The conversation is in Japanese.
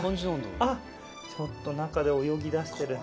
あっちょっと中で泳ぎだしてる。